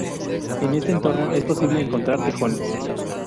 En este entorno es posible encontrar tejones.